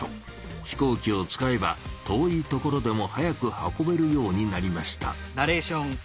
飛行機を使えば遠い所でも早く運べるようになりました。